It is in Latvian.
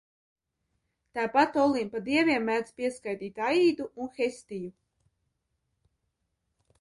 Tāpat Olimpa dieviem mēdz pieskaitīt Aīdu un Hestiju.